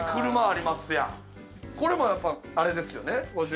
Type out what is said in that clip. これもやっぱあれですよね？